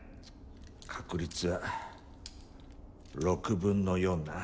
確率は６分の４だな。